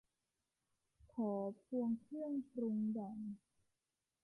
ขอพวงเครื่องปรุงหน่อย